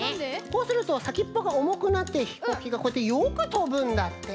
こうするとさきっぽがおもくなってひこうきがこうやってよくとぶんだって。